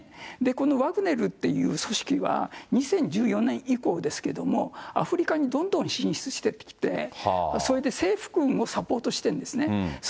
このワグネルっていう組織は、２０１４年以降ですけども、アフリカにどんどん進出してきて、それで政府軍をサポートしているんですね。